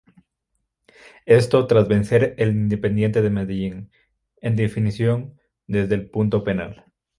Esto tras vencer al Independiente Medellín en definición desde el punto penal.